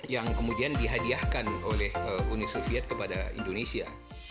yang kemudian dihadiahkan oleh uni soviet kepada indonesia